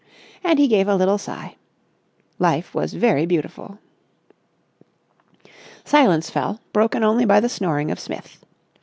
And he gave a little sigh. Life was very beautiful. Silence fell, broken only by the snoring of Smith.